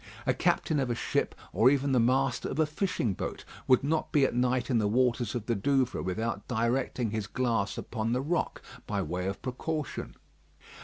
A captain of a ship, or even the master of a fishing boat, would not be at night in the waters of the Douvres without directing his glass upon the rock, by way of precaution.